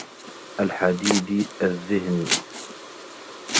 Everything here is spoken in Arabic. الْحَدِيدِ الذِّهْنِ